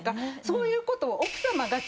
そういうことを。